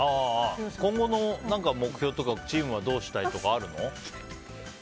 今後の目標とかチームはどうしたいとかあるの？